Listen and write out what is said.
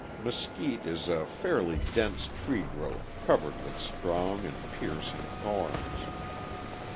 Mesquite is a fairly dense tree growth covered with strong and piercing thorns.